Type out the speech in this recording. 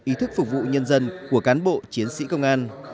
ý thức phục vụ nhân dân của cán bộ chiến sĩ công an